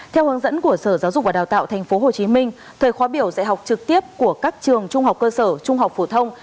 theo hướng dẫn của sở giáo dục và đào tạo tp hcm thời khóa biểu dạy học trực tiếp của các trường trung học cơ sở trung học phổ thông